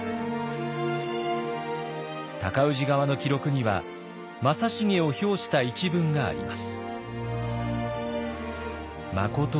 尊氏側の記録には正成を評した一文があります。